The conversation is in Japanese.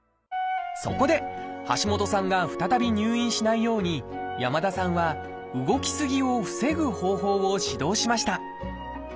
そこで橋下さんが再び入院しないように山田さんは動きすぎを防ぐ方法を指導しました。